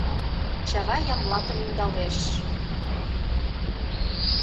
Чавай Ямблатым ӧндалеш.